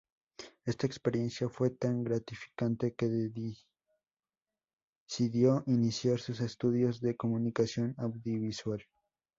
Esta experiencia fue tan gratificante que decidió iniciar sus estudios de comunicación audiovisual.